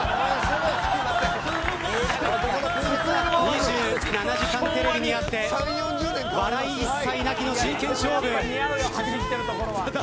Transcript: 「２７時間テレビ」にあって笑い一切なくの真剣勝負。